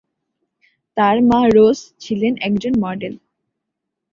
তার মা রোজ ছিলেন একজন মডেল।